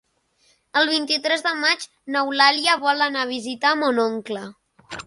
El vint-i-tres de maig n'Eulàlia vol anar a visitar mon oncle.